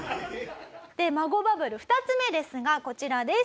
で孫バブル２つ目ですがこちらです。